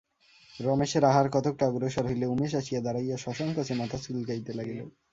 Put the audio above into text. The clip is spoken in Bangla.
রমেশের আহার কতকটা অগ্রসর হইলে, উমেশ আসিয়া দাঁড়াইয়া সসংকোচে মাথা চুলকাইতে লাগিল।